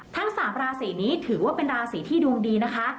ทั้ง๓ราศีนี้ถือว่าเป็นราศีที่ดวงดีนะคะ